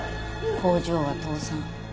工場は倒産。